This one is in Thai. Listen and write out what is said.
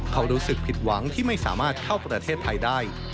เขารู้สึกผิดหวังที่ไม่สามารถเข้าประเทศไทยได้